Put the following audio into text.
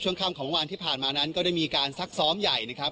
คำของวันที่ผ่านมานั้นก็ได้มีการซักซ้อมใหญ่นะครับ